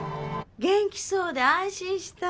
元気そうで安心した。